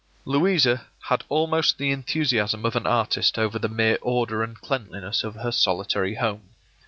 Louisa had almost the enthusiasm of an artist over the mere order and cleanliness of her solitary home.